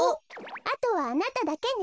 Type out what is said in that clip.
あとはあなただけね。